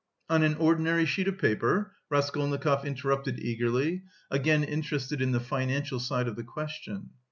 "On an ordinary sheet of paper?" Raskolnikov interrupted eagerly, again interested in the financial side of the question.